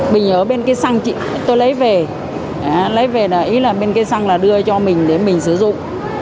bình ở bên kia xăng tôi lấy về lấy về là ý là bên kia xăng là đưa cho mình để mình sử dụng